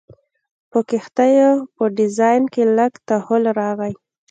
په کښتیو په ډیزاین کې لږ تحول راغی.